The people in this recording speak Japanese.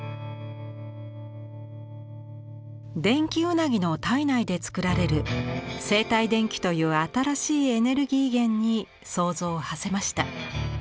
電気ウナギの体内で作られる生体電気という新しいエネルギー源に想像をはせました。